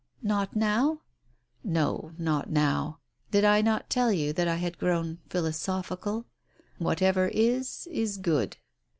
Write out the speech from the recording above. "Not now?" "No, not now. Did I not tell you that I had grown philosophical? Whatever is, is good."